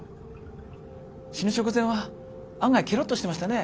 死ぬ直前は案外ケロッとしてましたね。